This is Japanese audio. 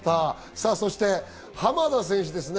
さぁそして浜田選手ですね。